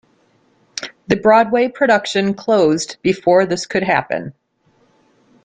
The Broadway production closed before this could happen.